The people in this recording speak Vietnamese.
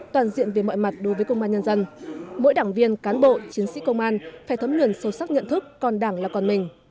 toàn diện về mọi mặt đối với công an nhân dân mỗi đảng viên cán bộ chiến sĩ công an phải thấm nhuần sâu sắc nhận thức còn đảng là còn mình